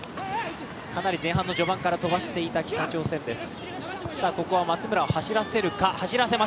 かなり前半の序盤から飛ばしていた北朝鮮です。